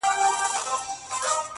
زه وايم دا؛